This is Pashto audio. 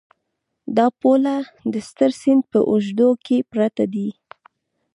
دا پوله د ستر سیند په اوږدو کې پرته ده.